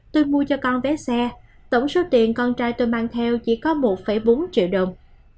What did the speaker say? tôi mua cho con vé xe tổng số tiền con trai tôi mang theo chỉ có một bốn triệu đồng